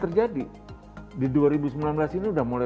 karena kecenderungan manusia sekarang menggunakan analog lagi